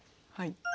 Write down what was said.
はい。